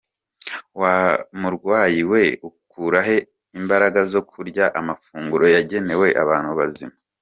Wa murwayi we ukura he imbaraga zo kurya amafunguro yagenewe abantu bazima?